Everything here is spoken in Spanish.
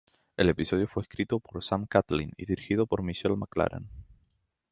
El episodio fue escrito por Sam Catlin y dirigido por Michelle MacLaren.